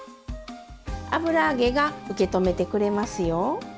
油揚げが受け止めてくれますよ。